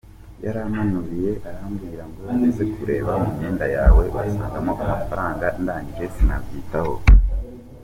Yarampanuriye arambwira ngo uze kureba mu myenda yawe urasangamo amafaranga, ndangije sinabyitaho.